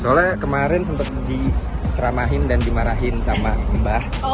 soalnya kemarin sempat diceramahin dan dimarahin sama mbah